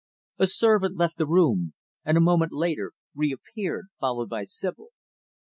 A servant left the room, and, a moment later, reappeared, followed by Sibyl.